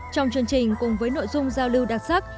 trong chương trình cùng với nội dung giao lưu đặc sắc